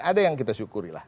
ada yang kita syukurilah